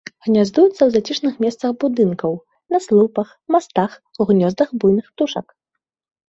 Гняздуецца ў зацішных месцах будынкаў, на слупах, мастах, у гнёздах буйных птушак.